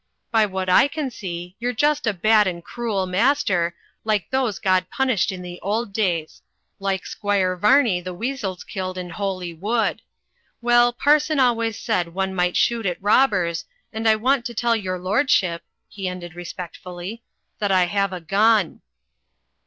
By what I can see, you're just a bad and cruel master, like those God punished in the old days; like Squire Vamey the weasels killed in Holy Wood. Well, par son always said one might shoot at robbers, and I want to tell your lordship," he ended respectfully, "that I have a gun."